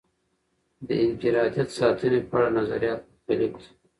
د انفرادیت ساتنې په اړه نظریات مختلف دي.